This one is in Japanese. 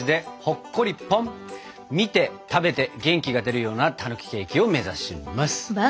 見て食べて元気が出るようなたぬきケーキを目指します！